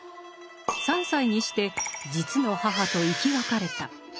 ３歳にして実の母と生き別れた。